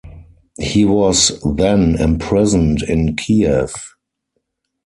He was then imprisoned in Kiev.